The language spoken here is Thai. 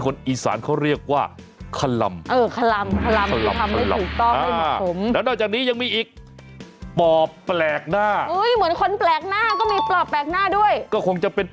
นั่นไงฟัง